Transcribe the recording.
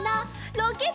ロケット！